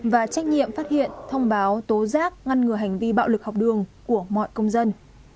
và trách nhiệm phát hiện thông báo tố giác ngăn ngừa hành vi bạo lực học đường của mọi công dân